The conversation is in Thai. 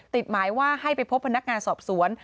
ติดหมายว่าให้ไปพบพนักงานสอบสวน